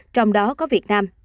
trong đó có việt nam